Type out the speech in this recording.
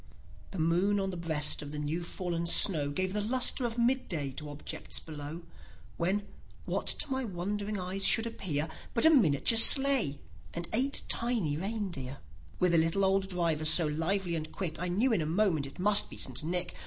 he moon on the breast of the new fallen snow Gave the lustre of mid day to objects below, When, what to my wondering eyes should appear, But a miniature sleigh, and eight tiny reindeer, ith a little old driver, so lively and quick, I knew in a moment it must be St. Nick.